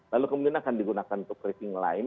lalu kemudian akan digunakan untuk racing line